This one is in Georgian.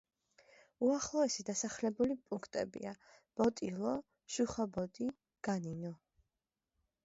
უახლოესი დასახლებული პუნქტებია: ბოტილო, შუხობოდი, განინო.